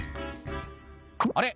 「あれ？